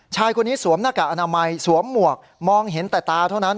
ชายคนนี้สวมหน้ากากอนามัยสวมหมวกมองเห็นแต่ตาเท่านั้น